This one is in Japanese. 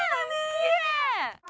きれい！